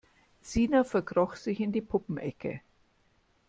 Sina verkroch sich in die Puppenecke.